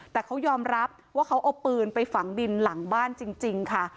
แต่เขายอมรับว่าเขาเอาปืนไปฝังดินหลังบ้านจริงค่ะ